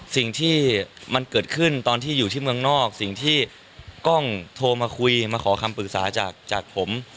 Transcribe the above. สิ่งที่มันเกิดขึ้นตอนที่อยู่ที่เมืองนอกสิ่งที่กล้องโทรมาคุยมาขอคำปรึกษาจากผม